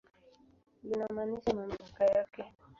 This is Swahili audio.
Linamaanisha mamlaka yake.